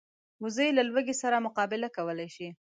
وزې له لوږې سره مقابله کولی شي